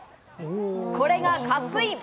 これがカップイン。